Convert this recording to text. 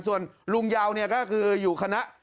ส่วนลุงเยาเนี่ยก็คืออยู่คณะ